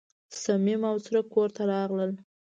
صمیم او څرک کور ته راغلل.